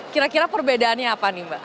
kira kira perbedaannya apa nih mbak